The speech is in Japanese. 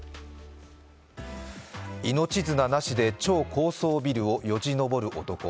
命綱なしで超高層ビルをよじ登る男。